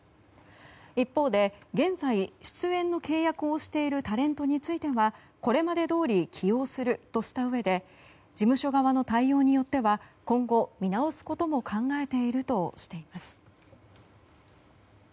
一方で現在出演の契約をしているタレントについてはこれまでどおり起用するとしたうえで事務所側の対応によっては今後見直すことも考えているとしています。